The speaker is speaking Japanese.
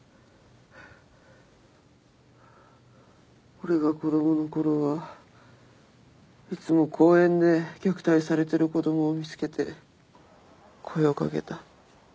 俺が子供のころはいつも公園で虐待されてる子供を見つけて声を掛けた。